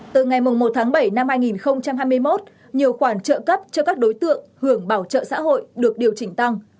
từ ngày một tháng bảy năm hai nghìn hai mươi một nhiều khoản trợ cấp cho các đối tượng hưởng bảo trợ xã hội được điều chỉnh tăng